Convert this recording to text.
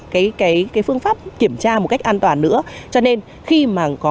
cái phương pháp kiểm tra một cách an toàn nữa cho nên khi mà có